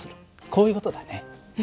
こういう事だね。